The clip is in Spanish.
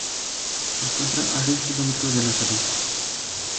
Se encuentra a seis kilómetros de La Salud.